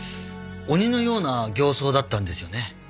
鬼のような形相だったんですよね。